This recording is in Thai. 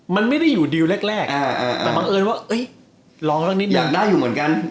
มันไม่ได้อยู่ดีไว้แรกบังเอิญว่าร้องแล้วกัน